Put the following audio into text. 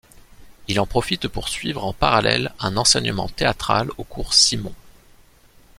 Il en profite pour suivre en parallèle un enseignement théâtral au cours Simon.